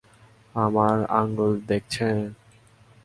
আমার আংগুল দেখছেন?